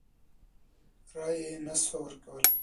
رایه یې نه سوای ورکولای.